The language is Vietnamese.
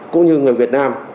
cũng như người việt nam nhập cảnh